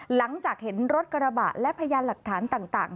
หลังจากเห็นรถกระบะและพยานหลักฐานต่าง